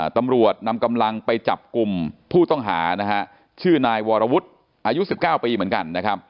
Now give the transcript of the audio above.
ตำรวจนำกำลังไปจับกลุ่มผู้ต้องหานะฮะชื่อนายวรวุฒิอายุ๑๙ปีเหมือนกันนะครับ